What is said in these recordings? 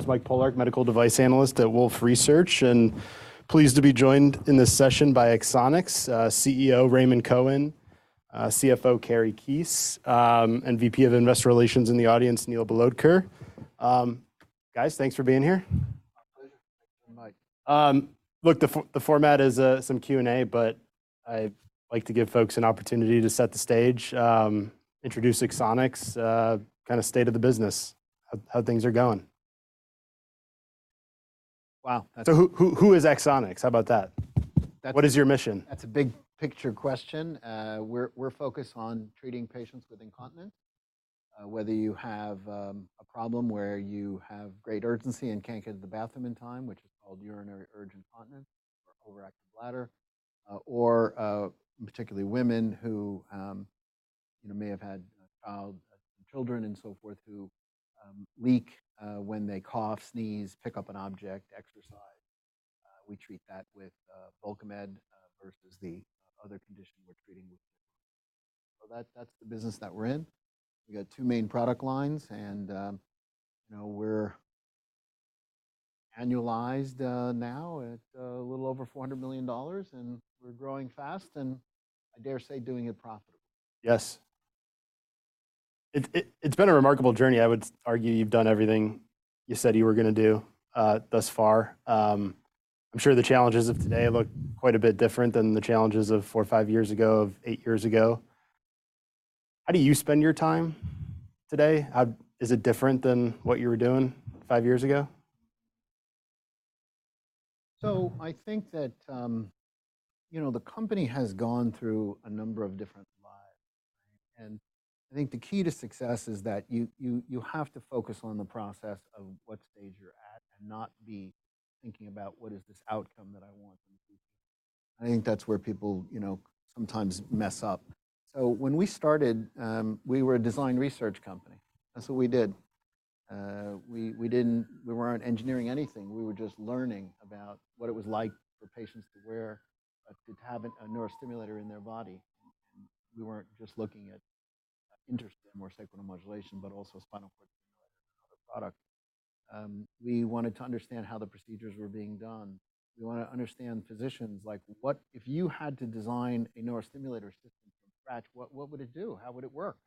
This is Mike Polark, Medical Device Analyst at Wolfe Research, and pleased to be joined in this session by Axonics CEO, Raymond Cohen, CFO, Kari Keese, and VP of Investor Relations in the audience, Neil Bhalodkar. Guys, thanks for being here. My pleasure, Mike. Look, the format is some Q&A, but I like to give folks an opportunity to set the stage, introduce Axonics, kind of state of the business. How things are going? Wow! So who is Axonics? How about that? What is your mission? That's a big picture question. We're focused on treating patients with incontinence. Whether you have a problem where you have great urgency and can't get to the bathroom in time, which is called urinary urge incontinence or overactive bladder, or particularly women who, you know, may have had a child, children and so forth, who leak when they cough, sneeze, pick up an object, exercise. We treat that with Bulkamid versus the other condition we're treating with. That's the business that we're in. We've got two main product lines and, you know, we're annualized now at a little over $400 million, and we're growing fast, and I dare say doing it profitably. Yes. It's been a remarkable journey. I would argue you've done everything you said you were gonna do, thus far. I'm sure the challenges of today look quite a bit different than the challenges of four, five years ago, of eight years ago. How do you spend your time today? Is it different than what you were doing five years ago? So I think that, you know, the company has gone through a number of different lives, right? And I think the key to success is that you have to focus on the process of what stage you're at, and not be thinking about what is this outcome that I want. I think that's where people, you know, sometimes mess up. So when we started, we were a design research company. That's what we did. We didn't. We weren't engineering anything. We were just learning about what it was like for patients to wear to have a neurostimulator in their body. We weren't just looking at InterStim or sacral neuromodulation, but also spinal cord stimulator and other products. We wanted to understand how the procedures were being done. We want to understand physicians like: Whatif you had to design a neurostimulator system from scratch, what would it do? How would it work?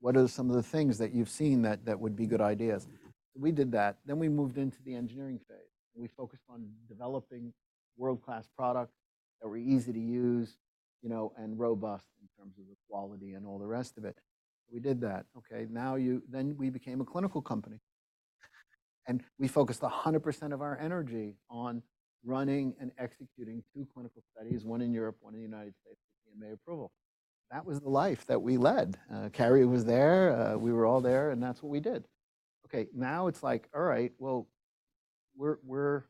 What are some of the things that you've seen that would be good ideas? We did that, then we moved into the engineering phase. We focused on developing world-class products that were easy to use, you know, and robust in terms of the quality and all the rest of it. We did that. Okay, now—Then we became a clinical company, and we focused 100% of our energy on running and executing two clinical studies, one in Europe, one in the United States, for FDA approval. That was the life that we led. Kari was there, we were all there, and that's what we did. Okay, now it's like: All right, well, we're-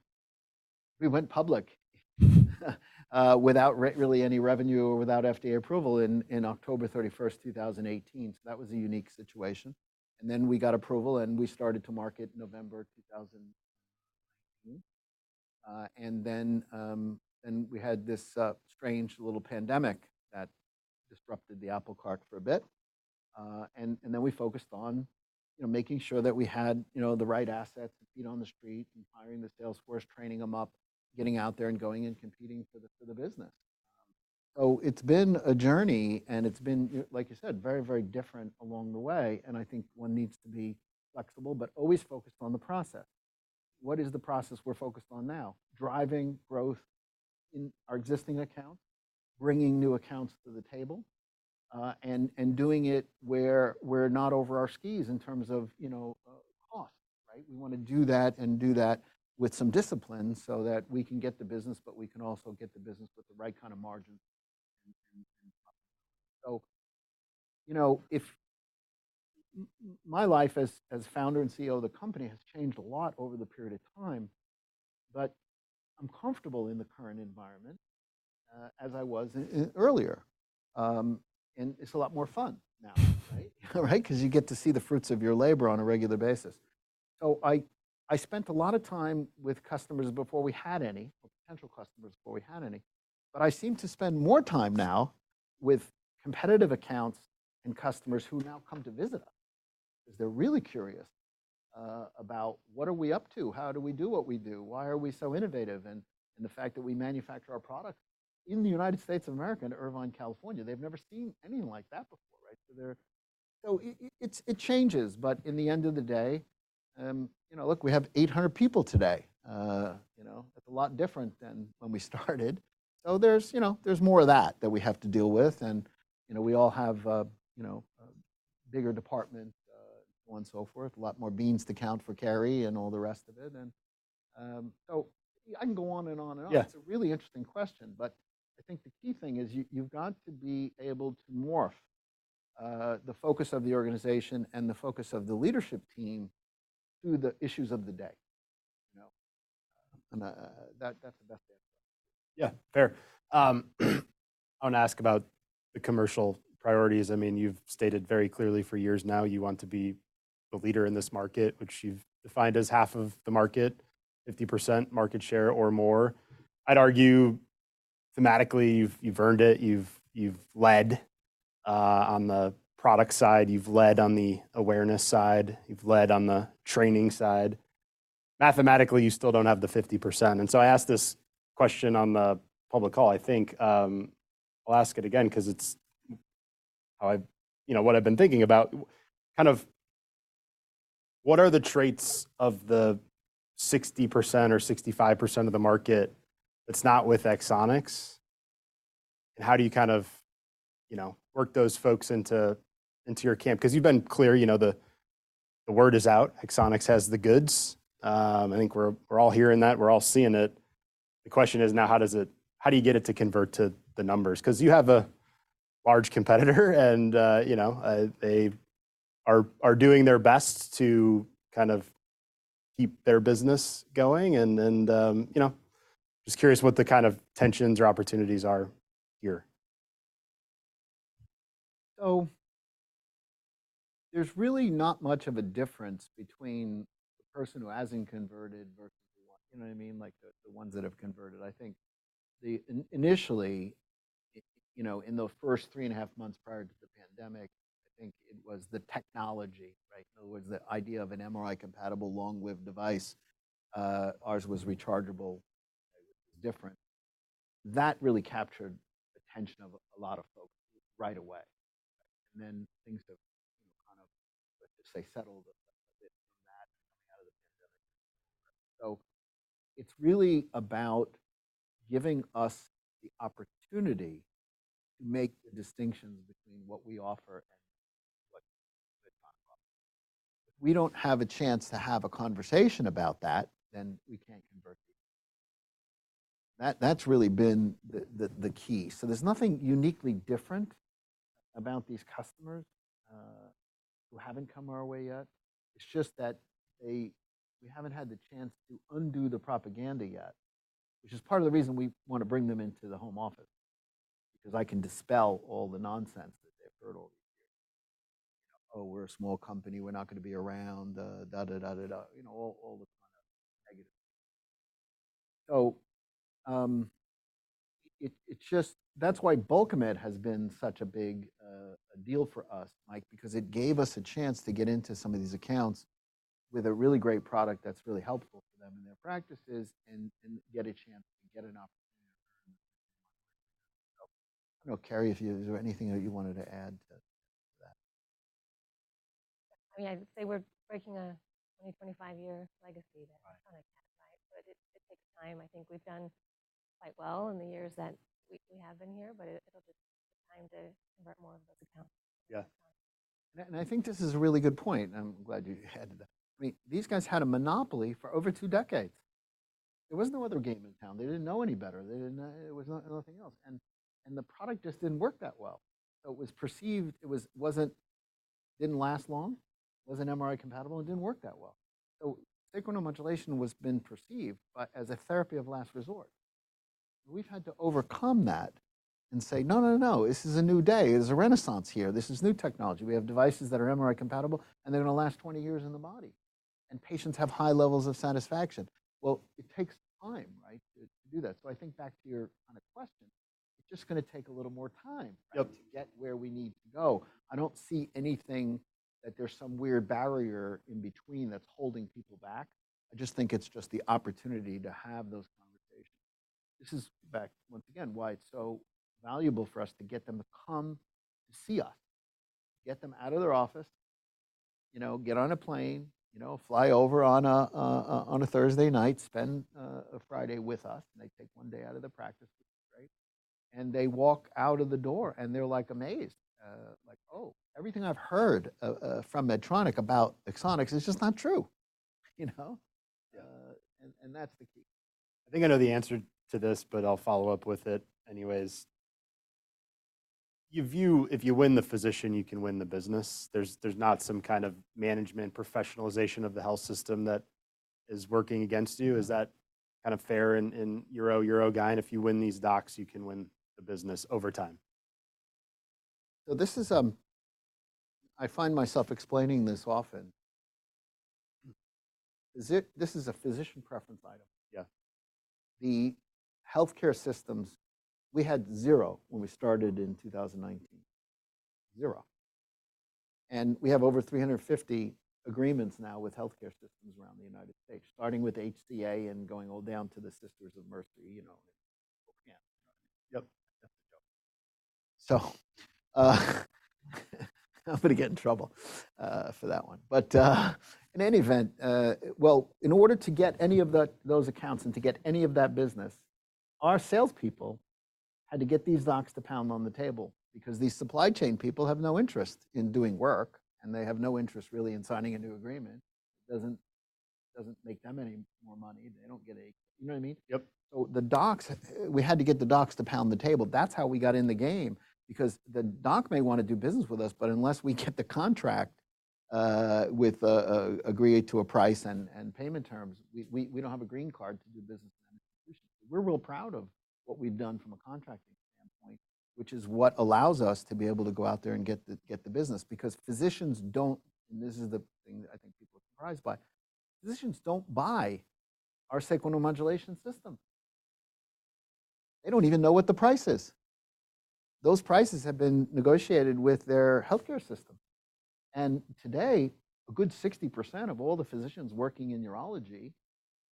we went public without really any revenue or without FDA approval in October 31st, 2018. So that was a unique situation. And then we got approval, and we started to market November 2019. And then we had this strange little pandemic that disrupted the apple cart for a bit. And then we focused on, you know, making sure that we had, you know, the right assets, feet on the street, and hiring the sales force, training them up, getting out there and going and competing for the business. So it's been a journey, and it's been, like you said, very, very different along the way, and I think one needs to be flexible, but always focused on the process. What is the process we're focused on now? Driving growth in our existing accounts, bringing new accounts to the table, and doing it where we're not over our skis in terms of, you know, cost, right? We wanna do that and do that with some discipline so that we can get the business, but we can also get the business with the right kind of margin. So, you know, My life as founder and CEO of the company has changed a lot over the period of time, but I'm comfortable in the current environment, as I was earlier. And it's a lot more fun now, right? Right? 'Cause you get to see the fruits of your labor on a regular basis. So I spent a lot of time with customers before we had any, or potential customers before we had any, but I seem to spend more time now with competitive accounts and customers who now come to visit us. Because they're really curious about what are we up to? How do we do what we do? Why are we so innovative? The fact that we manufacture our products in the United States of America, in Irvine, California. They've never seen anything like that before, right? So they're so it's, it changes, but in the end of the day, you know, look, we have 800 people today. You know, it's a lot different than when we started. So there's, you know, there's more of that, that we have to deal with, and, you know, we all have, you know, a bigger department, and so on, so forth. A lot more beans to count for Kari and all the rest of it. And, so I can go on, and on, and on. Yeah. It's a really interesting question, but I think the key thing is you, you've got to be able to morph the focus of the organization and the focus of the leadership team to the issues of the day, you know? And, that, that's the best answer. Yeah, fair. I want to ask about the commercial priorities. I mean, you've stated very clearly for years now, you want to be the leader in this market, which you've defined as half of the market, 50% market share or more. I'd argue, thematically, you've earned it, you've led on the product side, you've led on the awareness side, you've led on the training side. Mathematically, you still don't have the 50%, and so I asked this question on the public call. I think, I'll ask it again, 'cause it's how I've, you know, what I've been thinking about. Kind of, what are the traits of the 60% or 65% of the market that's not with Axonics? And how do you kind of, you know, work those folks into, into your camp? 'Cause you've been clear, you know, the word is out, Axonics has the goods. I think we're all hearing that, we're all seeing it. The question is now, how does it—how do you get it to convert to the numbers? 'Cause you have a large competitor, and, you know, they are doing their best to kind of keep their business going and, you know, just curious what the kind of tensions or opportunities are here. So there's really not much of a difference between the person who hasn't converted versus the one. You know what I mean? Like, the ones that have converted. I think initially, you know, in those first 3.5 months prior to the pandemic, I think it was the technology, right? In other words, the idea of an MRI-compatible long-lived device, ours was rechargeable, it was different. That really captured the attention of a lot of folks right away, and then things have, you know, kind of, say, settled a bit from that coming out of the pandemic. So it's really about giving us the opportunity to make the distinctions between what we offer and what they talk about. If we don't have a chance to have a conversation about that, then we can't convert. That's really been the key. So there's nothing uniquely different about these customers who haven't come our way yet. It's just that they—we haven't had the chance to undo the propaganda yet, which is part of the reason we wanna bring them into the home office, because I can dispel all the nonsense that they've heard over the years. You know, "Oh, we're a small company, we're not gonna be around, da, da, da, da, da." You know, all, all the kind of negative. So, it's just, that's why Bulkamid has been such a big deal for us, Mike, because it gave us a chance to get into some of these accounts with a really great product that's really helpful for them and their practices, and, and get a chance to get an opportunity to learn. I don't know, Kari, if you, is there anything that you wanted to add to that? I mean, I'd say we're breaking a 20-25-year legacy there. Right. But it takes time. I think we've done quite well in the years that we have been here, but it'll just take time to convert more of those accounts. Yeah. And, and I think this is a really good point, and I'm glad you added that. I mean, these guys had a monopoly for over two decades. There was no other game in town. They didn't know any better. They didn't know... there was no- nothing else, and, and the product just didn't work that well. It was perceived, it was- wasn't-- didn't last long, wasn't MRI-compatible, and didn't work that well. So sacral neuromodulation has been perceived, but as a therapy of last resort. We've had to overcome that and say: "No, no, no, this is a new day. There's a renaissance here. This is new technology. We have devices that are MRI-compatible, and they're gonna last 20 years in the body, and patients have high levels of satisfaction." Well, it takes time, right, to, to do that. I think back to your kind of question, it's just gonna take a little more time. Yep To get where we need to go, I don't see anything that there's some weird barrier in between that's holding people back. I just think it's just the opportunity to have those conversations. This is back, once again, why it's so valuable for us to get them to come to see us, get them out of their office, you know, get on a plane, you know, fly over on a, on a Thursday night, spend a Friday with us, and they take one day out of the practice, right? And they walk out of the door, and they're, like, amazed. Like: "Oh, everything I've heard from Medtronic about Axonics is just not true," you know? And that's the key. I think I know the answer to this, but I'll follow up with it anyways. You view if you win the physician, you can win the business. There's, there's not some kind of management professionalization of the health system that is working against you. Is that kind of fair in, in your, your view, if you win these docs, you can win the business over time? So this is. I find myself explaining this often. This is a physician preference item. Yeah. The healthcare systems, we had zero when we started in 2019. 0. And we have over 350 agreements now with healthcare systems around the United States, starting with HCA and going all down to the Sisters of Mercy, you know? Yep, that's a joke. So, I'm gonna get in trouble for that one. But, in any event, well, in order to get any of those accounts and to get any of that business, our salespeople had to get these docs to pound on the table because these supply chain people have no interest in doing work, and they have no interest, really, in signing a new agreement. It doesn't, doesn't make them any more money. They don't get a... You know what I mean? Yep. So the docs, we had to get the docs to pound the table. That's how we got in the game, because the doc may wanna do business with us, but unless we get the contract with agree to a price and and payment terms, we don't have a green card to do business. We're real proud of what we've done from a contracting standpoint, which is what allows us to be able to go out there and get the business, because physicians don't. This is the thing that I think surprised by. Physicians don't buy our sacral neuromodulation system. They don't even know what the price is. Those prices have been negotiated with their healthcare system, and today, a good 60% of all the physicians working in urology,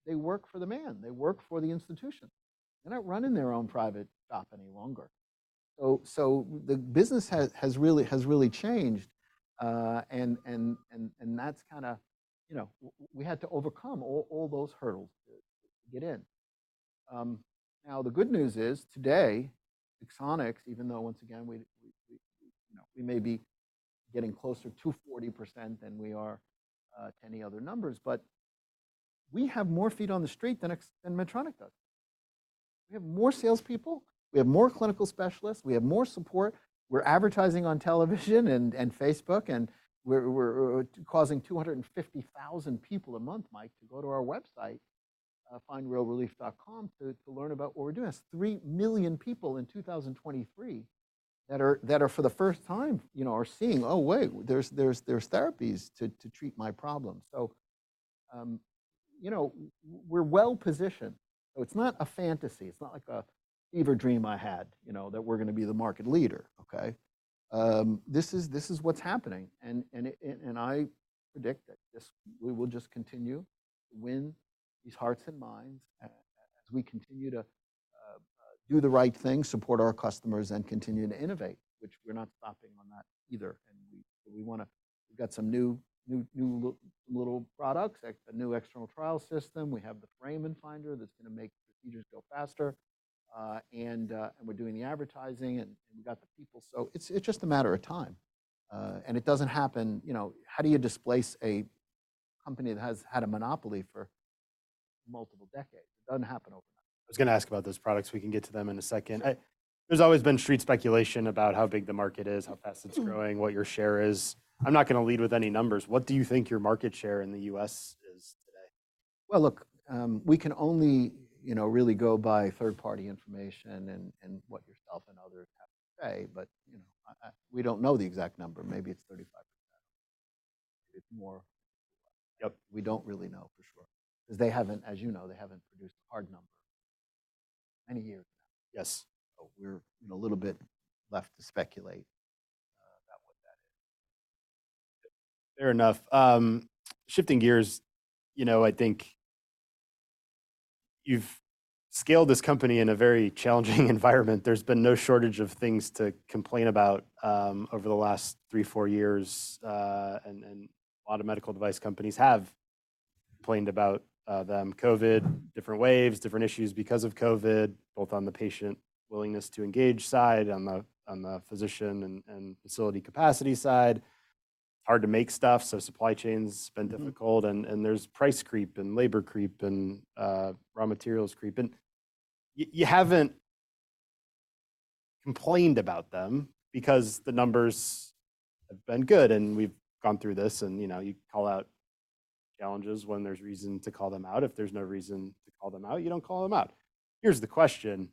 they work for the man. They work for the institution. They're not running their own private shop any longer. So the business has really changed, and that's kinda, you know, we had to overcome all those hurdles to get in. Now, the good news is, today, Axonics, even though, once again, we, you know, we may be getting closer to 40% than we are to any other numbers, but we have more feet on the street than Medtronic does. We have more salespeople, we have more clinical specialists, we have more support, we're advertising on television and Facebook, and we're causing 250,000 people a month, Mike, to go to our website, FindRealRelief.com, to learn about what we're doing. That's three million people in 2023 that are for the first time, you know, are seeing, "Oh, wait, there's therapies to treat my problem." So, you know, we're well positioned. So it's not a fantasy. It's not like a fever dream I had, you know, that we're gonna be the market leader, okay? This is what's happening, and I predict that this- we will just continue to win these hearts and minds as we continue to do the right thing, support our customers, and continue to innovate, which we're not stopping on that either, and we wanna-- We've got some new little products, a new external trial system. We have the foramen finder that's gonna make procedures go faster, and we're doing the advertising, and we've got the people. So it's just a matter of time, and it doesn't happen. You know, how do you displace a company that has had a monopoly for multiple decades? It doesn't happen overnight. I was gonna ask about those products. We can get to them in a second. Yeah. There's always been street speculation about how big the market is, how fast it's growing. Mm-hmm. What your share is. I'm not gonna lead with any numbers. What do you think your market share in the U.S. is today? Well, look, we can only, you know, really go by third-party information, and what yourself and others have to say, but, you know, I—we don't know the exact number. Maybe it's 35%, maybe it's more. Yep. We don't really know for sure, 'cause they haven't, as you know, they haven't produced a hard number in many years. Yes. We're, you know, a little bit left to speculate about what that is. Fair enough. Shifting gears, you know, I think you've scaled this company in a very challenging environment. There's been no shortage of things to complain about over the last three-four years, and a lot of medical device companies have complained about them. COVID, different waves, different issues because of COVID, both on the patient willingness to engage side, on the physician and facility capacity side. It's hard to make stuff, so supply chains have been difficult. Mm-hmm. And there's price creep and labor creep and raw materials creep, and you haven't complained about them because the numbers have been good, and we've gone through this, and, you know, you call out challenges when there's reason to call them out. If there's no reason to call them out, you don't call them out. Here's the question: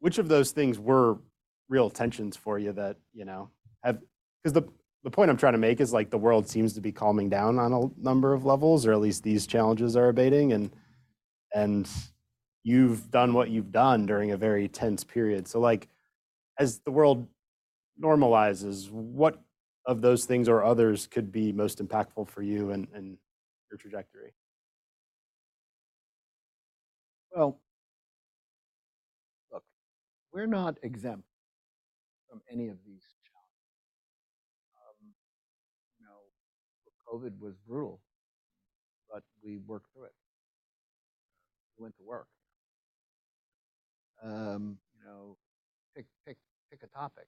Which of those things were real tensions for you that, you know, have... 'Cause the point I'm trying to make is, like, the world seems to be calming down on a number of levels, or at least these challenges are abating, and you've done what you've done during a very tense period. So, like, as the world normalizes, what of those things or others could be most impactful for you and your trajectory? Well, look, we're not exempt from any of these challenges. You know, COVID was brutal, but we worked through it. We went to work. You know, pick a topic.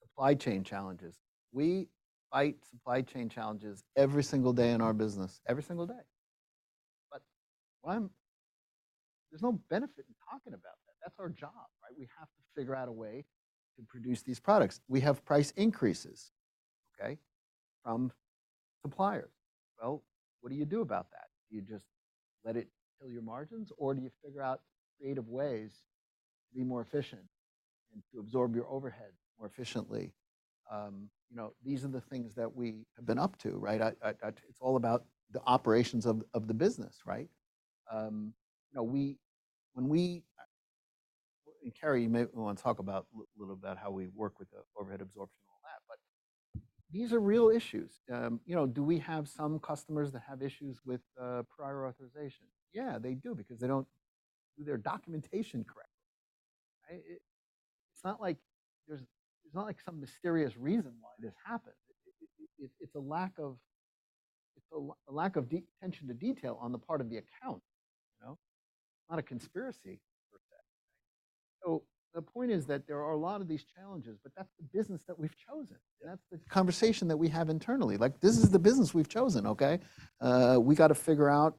Supply chain challenges. We fight supply chain challenges every single day in our business, every single day. But I'm-- there's no benefit in talking about that. That's our job, right? We have to figure out a way to produce these products. We have price increases, okay, from suppliers. Well, what do you do about that? Do you just let it kill your margins, or do you figure out creative ways to be more efficient and to absorb your overhead more efficiently? You know, these are the things that we have been up to, right? It's all about the operations of, of the business, right? You know, when we, and Kari, you may wanna talk about little about how we work with the overhead absorption and all that, but these are real issues. You know, do we have some customers that have issues with prior authorization? Yeah, they do, because they don't do their documentation correctly, right? It's not like there's not, like, some mysterious reason why this happens. It's a lack of attention to detail on the part of the account, you know? Not a conspiracy, per se. So the point is that there are a lot of these challenges, but that's the business that we've chosen, and that's the conversation that we have internally. Like, this is the business we've chosen, okay? We've gotta figure out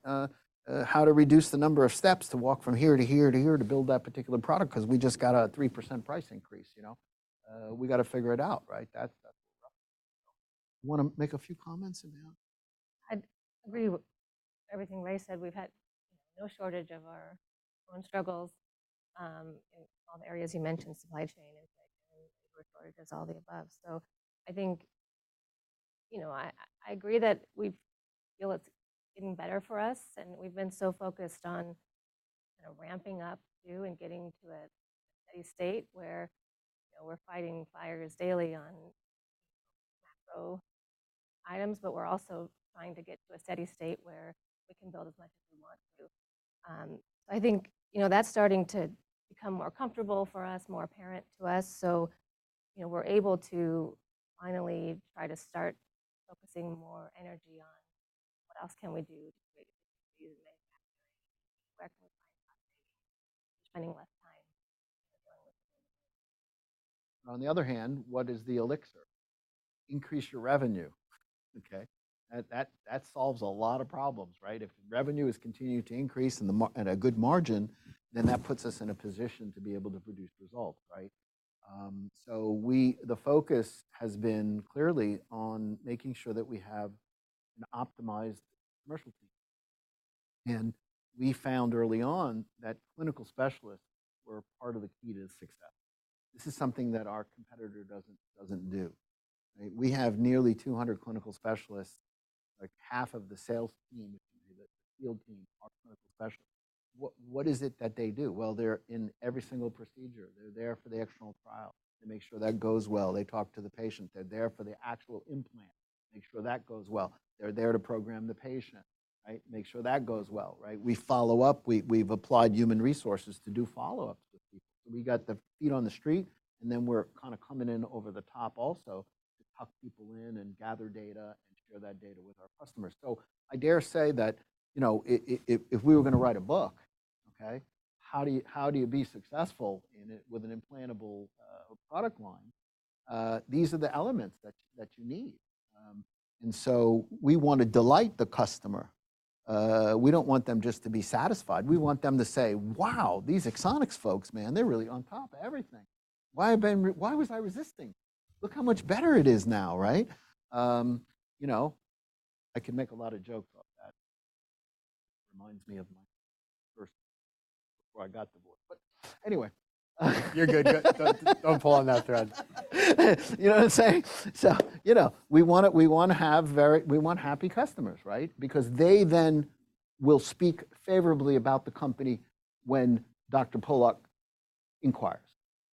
how to reduce the number of steps to walk from here to here to here to build that particular product, 'cause we just got a 3% price increase, you know? We gotta figure it out, right? That's, that's... You wanna make a few comments, Amanda? I agree with everything Ray said. We've had no shortage of our own struggles in all the areas you mentioned, supply chain and all the above. So I think, you know, I agree that we feel it's getting better for us, and we've been so focused on, you know, ramping up too, and getting to a steady state where, you know, we're fighting fires daily on macro items, but we're also trying to get to a steady state where we can build as much as we want to. I think, you know, that's starting to become more comfortable for us, more apparent to us, so, you know, we're able to finally try to start focusing more energy on what else can we do to manufacturing, where can we find spending less time? On the other hand, what is the elixir? Increase your revenue, okay? That solves a lot of problems, right? If revenue is continuing to increase in the market at a good margin, then that puts us in a position to be able to produce results, right? So we—the focus has been clearly on making sure that we have an optimized commercial team, and we found early on that clinical specialists were part of the key to success. This is something that our competitor doesn't do, right? We have nearly 200 clinical specialists, like half of the sales team, the field team, are clinical specialists. What is it that they do? Well, they're in every single procedure. They're there for the actual trial to make sure that goes well. They talk to the patient. They're there for the actual implant, make sure that goes well. They're there to program the patient, right? Make sure that goes well, right? We follow up. We, we've applied human resources to do follow-ups with people. We got the feet on the street, and then we're kind of coming in over the top also to tuck people in and gather data and share that data with our customers. So I dare say that, you know, if we were gonna write a book, okay, how do you, how do you be successful in it with an implantable product line? These are the elements that you need. And so we want to delight the customer. We don't want them just to be satisfied. We want them to say, "Wow, these Axonics folks, man, they're really on top of everything! Why was I resisting? Look how much better it is now," right? You know, I can make a lot of jokes about that. Reminds me of my first before I got the board. But anyway. You're good. Don't, don't pull on that thread. You know what I'm saying? So, you know, we wanna, we wanna have very- we want happy customers, right? Because they then will speak favorably about the company when Mike Polark inquires.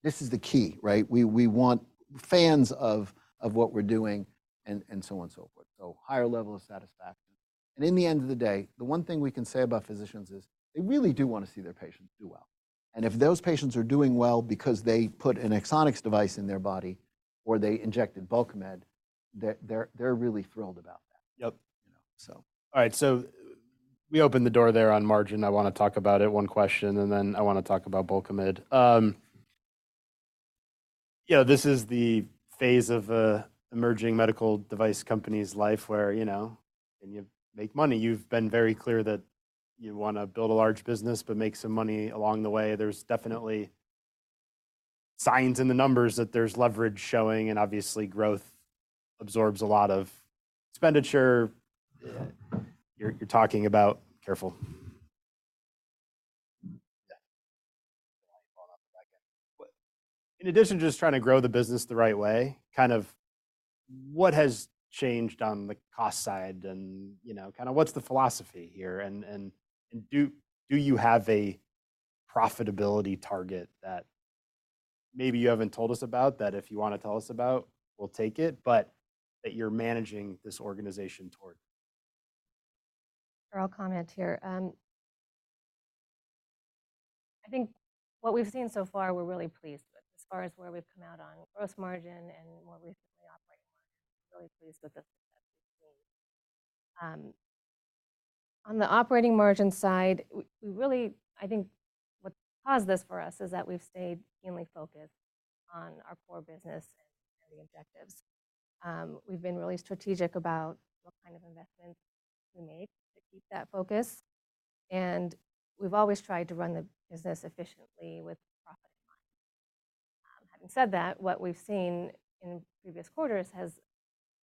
This is the key, right? We, we want fans of, of what we're doing and, and so on, so forth. So higher level of satisfaction. And in the end of the day, the one thing we can say about physicians is they really do wanna see their patients do well, and if those patients are doing well because they put an Axonics device in their body or they injected Bulkamid, they're, they're really thrilled about that. Yep. You know, so... All right, so we opened the door there on margin. I wanna talk about it, one question, and then I wanna talk about Bulkamid. Yeah, this is the phase of a emerging medical device company's life where, you know, and you make money. You've been very clear that you wanna build a large business but make some money along the way. There's definitely signs in the numbers that there's leverage showing, and obviously growth absorbs a lot of expenditure. Yeah. You're talking about... Careful. In addition to just trying to grow the business the right way, kind of what has changed on the cost side and, you know, kind of what's the philosophy here? And do you have a profitability target that maybe you haven't told us about, that if you wanna tell us about, we'll take it, but that you're managing this organization toward? I'll comment here. I think what we've seen so far, we're really pleased with, as far as where we've come out on gross margin and more recently, operating margin. Really pleased with the progress we've made. On the operating margin side, we really, I think what's caused this for us is that we've stayed keenly focused on our core business and the objectives. We've been really strategic about what kind of investments we make to keep that focus, and we've always tried to run the business efficiently with profit in mind. Having said that, what we've seen in previous quarters has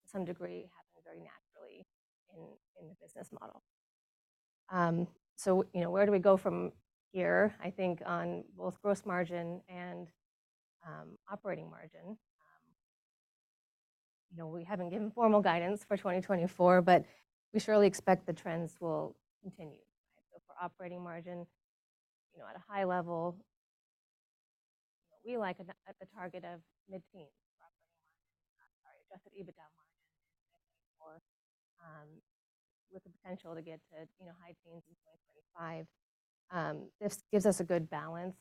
to some degree happened very naturally in the business model. So, you know, where do we go from here? I think on both gross margin and operating margin, you know, we haven't given formal guidance for 2024, but we surely expect the trends will continue, right? So for operating margin, you know, at a high level, we like the target of mid-teen operating margin, sorry, adjusted EBITDA margin, with the potential to get to, you know, high teens in 2025. This gives us a good balance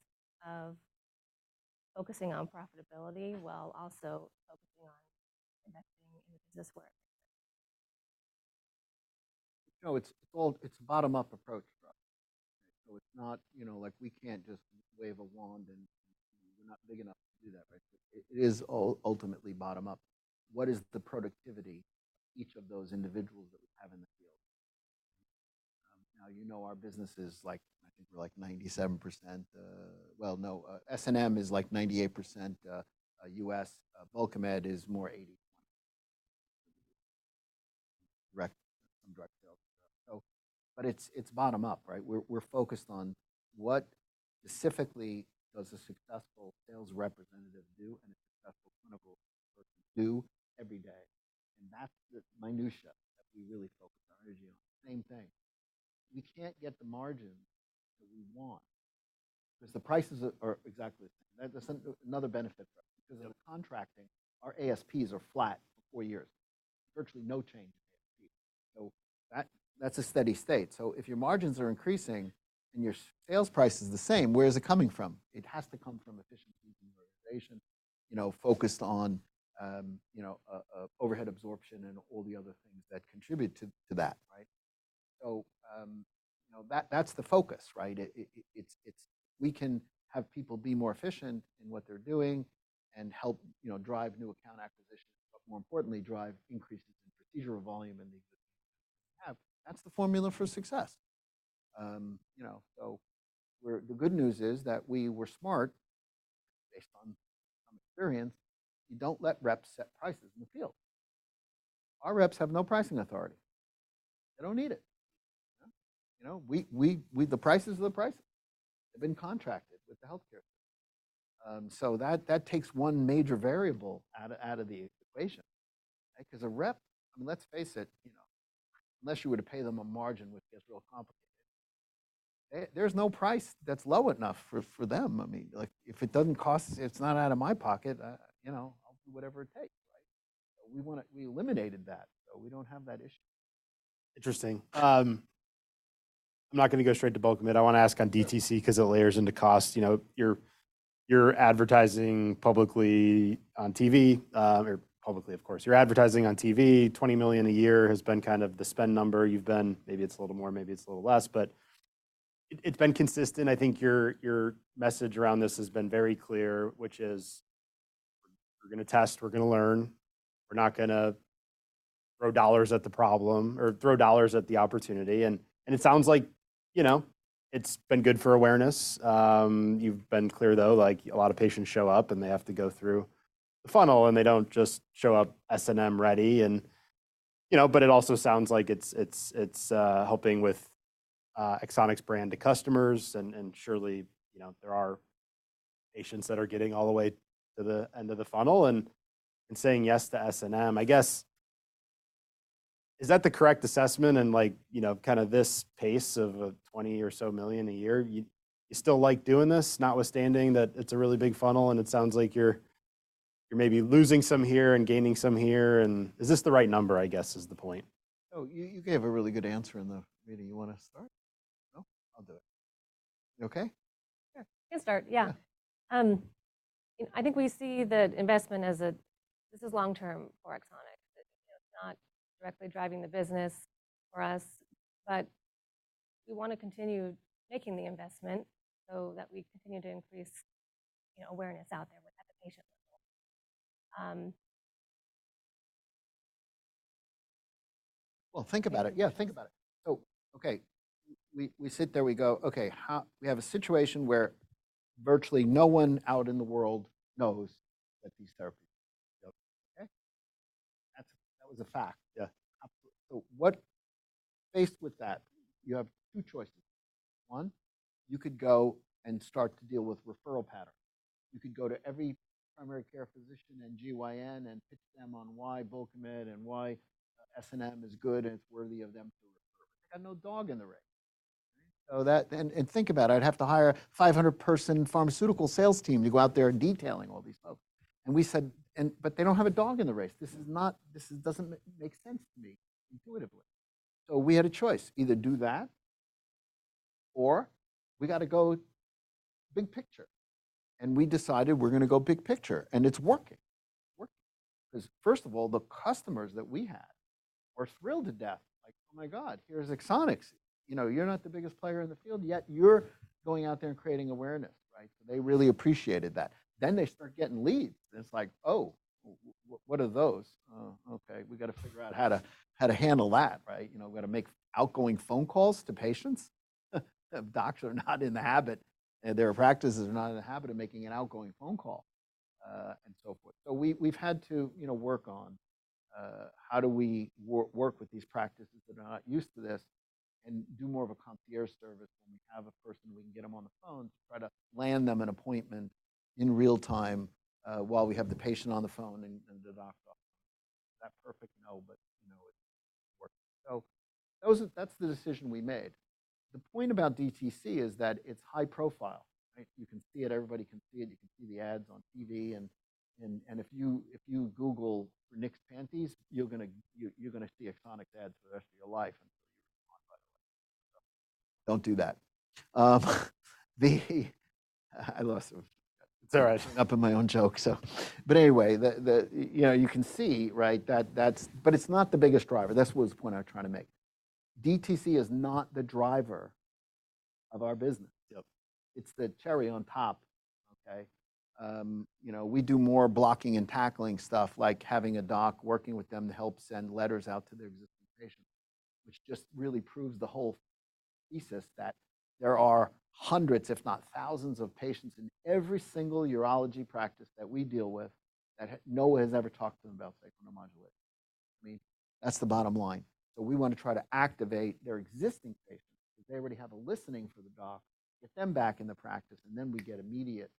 of focusing on profitability while also focusing on investing in business work. So it's all, it's a bottom-up approach. So it's not, you know, like, we can't just wave a wand and we're not big enough to do that, right? It is ultimately bottom up. What is the productivity of each of those individuals that we have in the field? Now you know our business is like, I think we're like 97%, SNM is like 98% U.S. Bulkamid is more 81 direct, some direct sales. So, but it's, it's bottom up, right? We're, we're focused on what specifically does a successful sales representative do, and a successful clinical person do every day, and that's the minutiae that we really focus on. UroGPO, same thing. We can't get the margin that we want, 'cause the prices are exactly the same. That's another benefit, though, because in contracting, our ASPs are flat for four years. Virtually no change in ASP. So that's a steady state. So if your margins are increasing and your sales price is the same, where is it coming from? It has to come from efficiency and organization, you know, focused on, you know, overhead absorption and all the other things that contribute to that, right? So, that's the focus, right? We can have people be more efficient in what they're doing and help, you know, drive new account acquisition, but more importantly, drive increases in procedural volume in the existing... Yeah, that's the formula for success. The good news is that we were smart, based on experience, you don't let reps set prices in the field. Our reps have no pricing authority. They don't need it. You know, we—the prices are the prices. They've been contracted with the healthcare. So that takes one major variable out of the equation, right? 'Cause a rep, I mean, let's face it, you know, unless you were to pay them a margin, which gets real complicated, there's no price that's low enough for them. I mean, like, if it doesn't cost—it's not out of my pocket, you know, I'll do whatever it takes, right? We wanna—we eliminated that, so we don't have that issue. Interesting. I'm not gonna go straight to Bulkamid. I wanna ask on DTC, 'cause it layers into cost. You know, you're advertising publicly on TV, or publicly, of course. You're advertising on TV, $20 million a year has been kind of the spend number. You've been, maybe it's a little more, maybe it's a little less, but it's been consistent. I think your message around this has been very clear, which is, "We're gonna test, we're gonna learn. We're not gonna throw dollars at the problem, or throw dollars at the opportunity." And it sounds like, you know, it's been good for awareness. You've been clear, though, like, a lot of patients show up, and they have to go through the funnel, and they don't just show up SNM ready and... You know, but it also sounds like it's helping with Axonics brand to customers, and surely, you know, there are patients that are getting all the way to the end of the funnel and saying yes to SNM. I guess, is that the correct assessment in, like, you know, kinda this pace of $20 million or so a year? You still like doing this, notwithstanding that it's a really big funnel, and it sounds like you're maybe losing some here and gaining some here, and is this the right number, I guess, is the point? Oh, you gave a really good answer in the meeting. You wanna start? No? I'll do it. You okay? Sure, I can start, yeah. Yeah. You know, I think we see the investment as a... This is long term for Axonics. It's not directly driving the business for us, but we wanna continue making the investment so that we continue to increase, you know, awareness out there with at the patient level. Well, think about it. Yeah, think about it. So, okay, we, we sit there, we go, "Okay, how- " We have a situation where virtually no one out in the world knows that these therapies... Okay? That's, that was a fact, yeah. Absolutely. So what-- faced with that, you have two choices: One, you could go and start to deal with referral patterns. You could go to every primary care physician and GYN and pitch them on why Bulkamid and why SNM is good and it's worthy of them to refer. They got no dog in the race, right? So that... And, and think about it, I'd have to hire a 500-person pharmaceutical sales team to go out there and detailing all these folks. And we said, "And-- But they don't have a dog in the race. This is not... This doesn't make sense to me, intuitively." So we had a choice, either do that, or we gotta go big picture, and we decided we're gonna go big picture, and it's working. It's working. 'Cause first of all, the customers that we had were thrilled to death, like, "Oh, my God, here's Axonics. You know, you're not the biggest player in the field, yet you're going out there and creating awareness," right? So they really appreciated that. Then they start getting leads, and it's like, "Oh, what are those? Oh, okay, we gotta figure out how to, how to handle that," right? You know, we've got to make outgoing phone calls to patients? Doctors are not in the habit, and their practices are not in the habit of making an outgoing phone call, and so forth. So we, we've had to, you know, work on how do we work with these practices that are not used to this, and do more of a concierge service when we have a person, we can get them on the phone to try to land them an appointment in real time, while we have the patient on the phone and the doctor. That's perfect, no, but, you know, it's working. So that was that's the decision we made. The point about DTC is that it's high profile, right? You can see it, everybody can see it, you can see the ads on TV, and, and, and if you, if you google Knix Panties, you're gonna see Axonics ads for the rest of your life. Don't do that. The... I lost- It's all right. But anyway, you know, you can see, right, that. That's, but it's not the biggest driver. That's what the point I'm trying to make. DTC is not the driver of our business. Yep. It's the cherry on top, okay? You know, we do more blocking and tackling stuff, like having a doc, working with them to help send letters out to their existing patients, which just really proves the whole thesis that there are hundreds, if not thousands, of patients in every single urology practice that we deal with, that no one has ever talked to them about Sacral Neuromodulation. I mean, that's the bottom line. So we wanna try to activate their existing patients, because they already have a listening for the doc, get them back in the practice, and then we get immediate.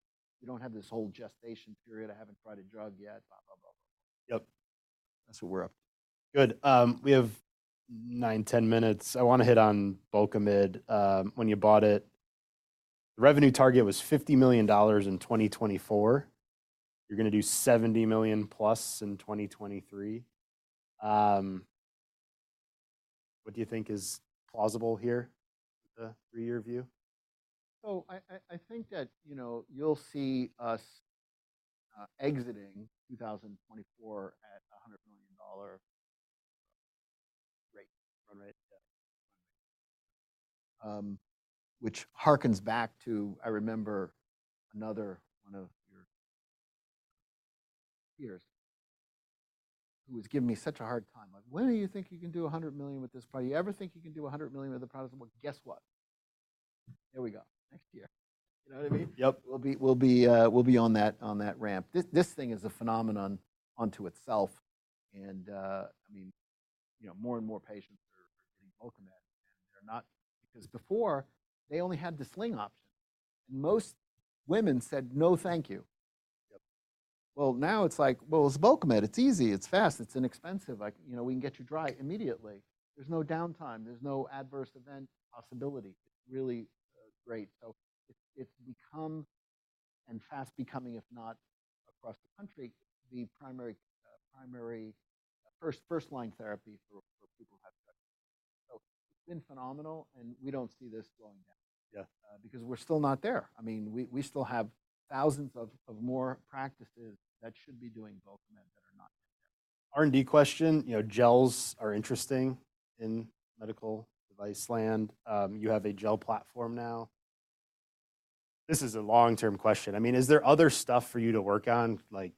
We don't have this whole gestation period, "I haven't tried a drug yet," blah, blah, blah, blah. Yep. That's what we're up to. Good. We have nine, 10 minutes. I wanna hit on Bulkamid. When you bought it, the revenue target was $50 million in 2024. You're gonna do $70 million + in 2023. What do you think is plausible here, the three-year view? I think that, you know, you'll see us exiting 2024 at a $100 million run rate. Which harkens back to, I remember another one of your peers, who was giving me such a hard time. Like, "When do you think you can do a $100 million with this product? You ever think you can do a $100 million with the product?" Well, guess what? There we go, next year. You know what I mean? Yep. We'll be on that ramp. This thing is a phenomenon unto itself, and I mean, you know, more and more patients are getting Bulkamid, and they're not... Because before they only had the sling option, and most women said, "No, thank you. Yep. Well, now it's like: "Well, it's Bulkamid. It's easy, it's fast, it's inexpensive. Like, you know, we can get you dry immediately. There's no downtime, there's no adverse event possibility." It's really, great. So it's become, and fast becoming, if not across the country, the primary, primary, first, first-line therapy for, for people who have that. So it's been phenomenal, and we don't see this going down. Yeah. Because we're still not there. I mean, we still have thousands of more practices that should be doing Bulkamid that are not yet. R&D question. You know, gels are interesting in medical device land. You have a gel platform now. This is a long-term question. I mean, is there other stuff for you to work on, like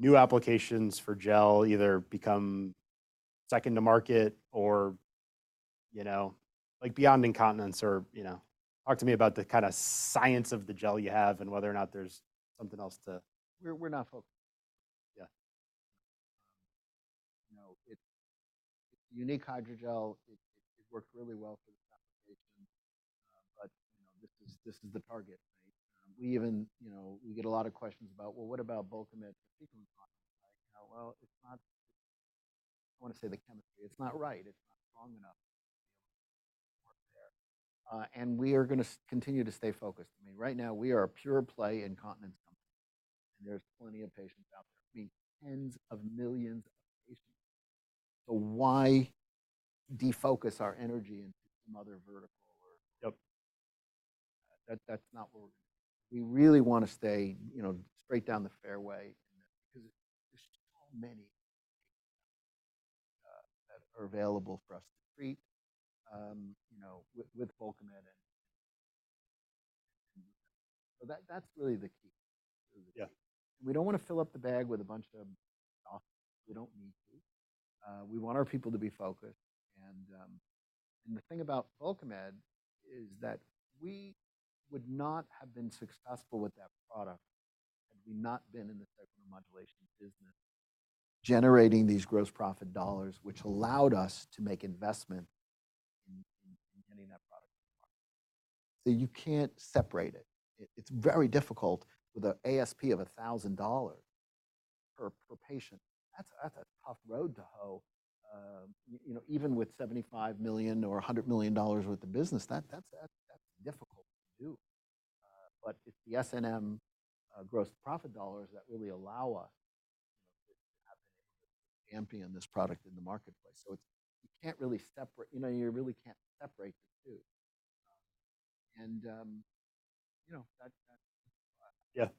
new applications for gel, either become second to market or, you know, like beyond incontinence or, you know... Talk to me about the kinda science of the gel you have and whether or not there's something else to- We're not focused. Yeah. You know, it's a unique hydrogel. It works really well for this application, but, you know, this is the target, right? We even, you know, we get a lot of questions about: "Well, what about Bulkamid for fecal incontinence?" Like, well, it's not—I wanna say the chemistry, it's not right. It's not strong enough to work there. And we are gonna continue to stay focused. I mean, right now we are a pure play incontinence company, and there's plenty of patients out there. I mean, tens of millions of patients. So why defocus our energy into some other vertical or- Yep. That, that's not what we're... We really wanna stay, you know, straight down the fairway, because there's just so many that are available for us to treat, you know, with, with Bulkamid and... So that, that's really the key. Yeah. We don't wanna fill up the bag with a bunch of stuff. We don't need to. We want our people to be focused, and the thing about Bulkamid is that we would not have been successful with that product had we not been in the sacral neuromodulation business, generating these gross profit dollars, which allowed us to make investment in getting that product to market. So you can't separate it. It's very difficult with an ASP of $1,000 per patient. That's a tough road to hoe. You know, even with $75 million or $100 million worth of business, that's difficult to do. But it's the SNM gross profit dollars that really allow us, you know, to have been able to champion this product in the marketplace. So it's. You can't really separate... You know, you really can't separate the two. You know, that... Yeah. That's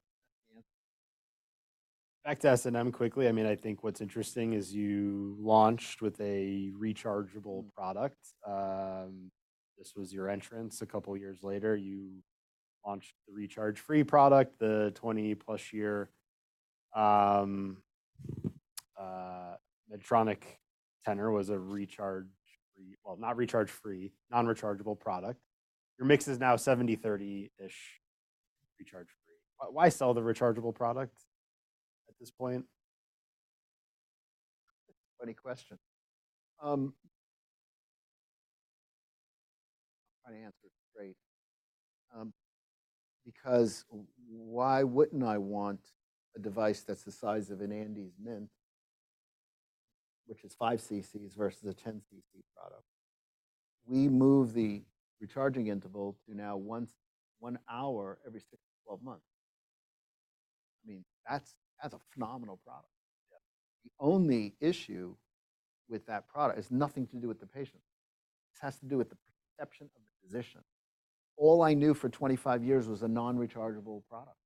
the answer. Back to SNM quickly. I mean, I think what's interesting is you launched with a rechargeable product. This was your entrance. A couple of years later, you launched the recharge-free product. The 20+ year Medtronic InterStim was a recharge-free... Well, not recharge-free, non-rechargeable product. Your mix is now 70/30-ish recharge-free. Why sell the rechargeable product at this point? That's a funny question. I'll try to answer it straight. Because why wouldn't I want a device that's the size of an Andes Mint, which is 5 cc's versus a 10 cc product? We moved the recharging interval to now once, one hour every six-12 months. I mean, that's, that's a phenomenal product. Yeah. The only issue with that product has nothing to do with the patient. This has to do with the perception of the physician. All I knew for 25 years was a non-rechargeable product.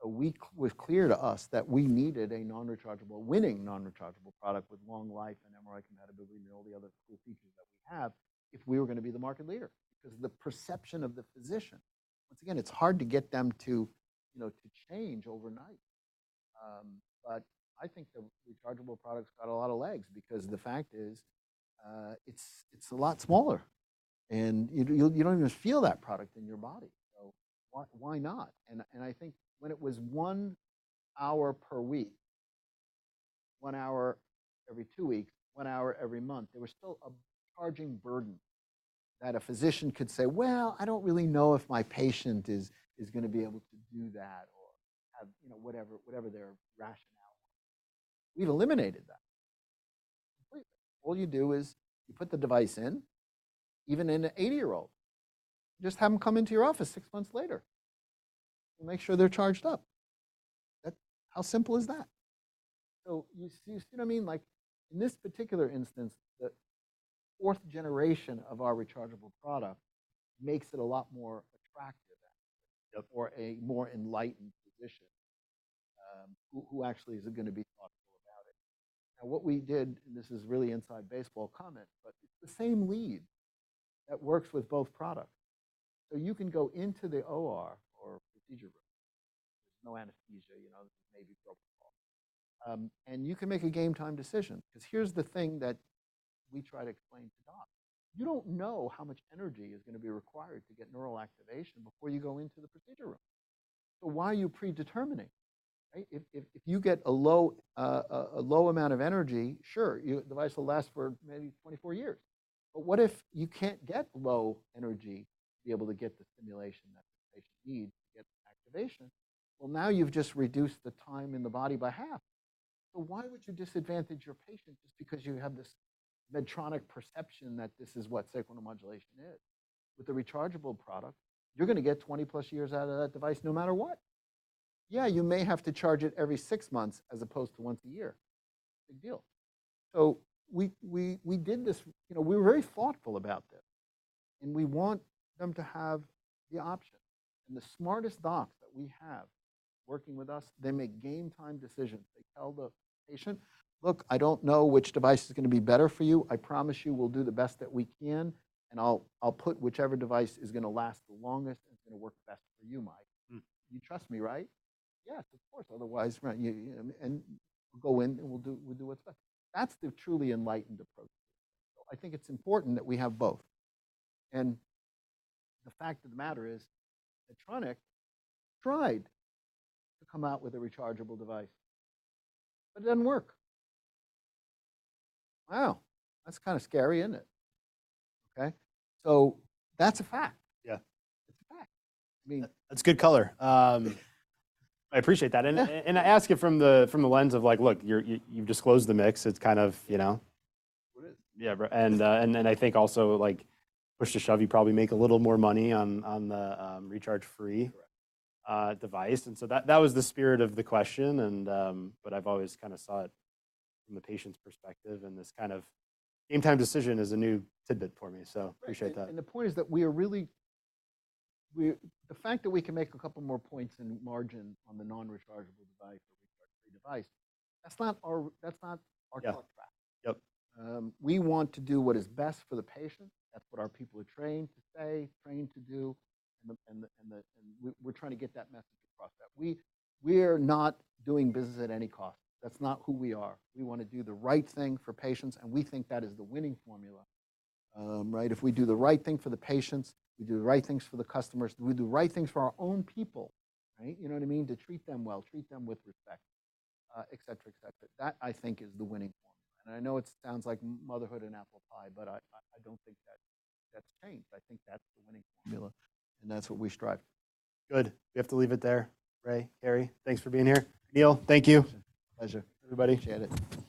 So we, it was clear to us that we needed a non-rechargeable, winning non-rechargeable product with long life and MRI compatibility, and all the other cool features that we have, if we were gonna be the market leader. Because the perception of the physician, once again, it's hard to get them to, you know, to change overnight. But I think the rechargeable product's got a lot of legs, because the fact is, it's, it's a lot smaller, and you, you don't even feel that product in your body. So why, why not? I think when it was one hour per week, one hour every two weeks, one hour every month, there was still a charging burden that a physician could say, "Well, I don't really know if my patient is gonna be able to do that," or have, you know, whatever their rationale was. We've eliminated that completely. All you do is you put the device in, even in an 80-year-old, just have them come into your office six months later and make sure they're charged up. That. How simple is that? So you see what I mean? Like, in this particular instance, the fourth generation of our rechargeable product makes it a lot more attractive for a more enlightened physician who actually is gonna be thoughtful about it. And what we did, and this is really inside baseball comment, but it's the same lead that works with both products. So you can go into the OR or procedure room, there's no anesthesia, you know, maybe protocol, and you can make a game time decision. 'Cause here's the thing that we try to explain to docs: You don't know how much energy is gonna be required to get neural activation before you go into the procedure room. So why are you predetermining, right? If you get a low amount of energy, sure, you the device will last for maybe 24 years. But what if you can't get low energy to be able to get the stimulation that the patient needs to get the activation? Well, now you've just reduced the time in the body by half. So why would you disadvantage your patient just because you have this Medtronic perception that this is what sacral neuromodulation is? With the rechargeable product, you're gonna get 20+ years out of that device no matter what. Yeah, you may have to charge it every six months as opposed to once a year. Big deal. So we did this... You know, we were very thoughtful about this, and we want them to have the option. And the smartest docs that we have working with us, they make game time decisions. They tell the patient, "Look, I don't know which device is gonna be better for you. I promise you we'll do the best that we can, and I'll put whichever device is gonna last the longest and it's gonna work best for you, Mike. You trust me, right?" "Yes, of course. Otherwise-" Right? You and we'll go in, and we'll do what's best. That's the truly enlightened approach. So I think it's important that we have both. And the fact of the matter is, Medtronic tried to come out with a rechargeable device, but it didn't work. Wow, that's kind of scary, isn't it? Okay, so that's a fact. Yeah. It's a fact. I mean- That's good color. I appreciate that. Yeah. I ask it from the lens of like, look, you've disclosed the mix. It's kind of, you know... It is. Yeah, right. And then I think also, like, push to shove, you probably make a little more money on the recharge free- Right... device. And so that, that was the spirit of the question, and, but I've always kind of saw it from the patient's perspective, and this kind of game time decision is a new tidbit for me, so appreciate that. Right. And the point is that the fact that we can make a couple more points in margin on the non-rechargeable device or rechargeable device, that's not our contract. Yeah. Yep. We want to do what is best for the patient. That's what our people are trained to say, trained to do, and we're trying to get that message across, that we are not doing business at any cost. That's not who we are. We wanna do the right thing for patients, and we think that is the winning formula. Right, if we do the right thing for the patients, we do the right things for the customers, we do the right things for our own people, right? You know what I mean? To treat them well, treat them with respect, et cetera, et cetera. That, I think, is the winning formula. I know it sounds like motherhood and apple pie, but I don't think that's changed. I think that's the winning formula, and that's what we strive for. Good. We have to leave it there. Ray, Kari, thanks for being here. Neil, thank you. Pleasure. Everybody- Appreciate it.